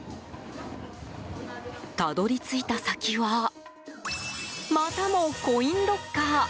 たどり着いた先はまたもコインロッカー。